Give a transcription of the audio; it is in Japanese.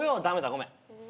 ごめんね。